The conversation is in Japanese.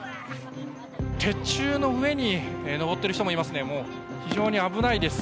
鉄柱の上に登ってる人もいますね、非常に危ないです。